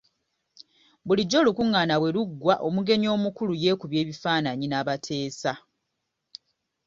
Bulijjo olukungaana bwe luggwa omugenyi omukulu yeekubya ekifaananyi n'abateesa.